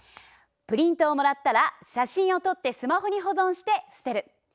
プリントをもらったら写真をとってスマホに保存してすてる。